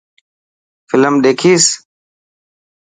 فلم ڏيکيس.